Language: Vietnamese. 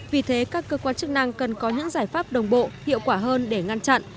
vì thế các cơ quan chức năng cần có những giải pháp đồng bộ hiệu quả hơn để ngăn chặn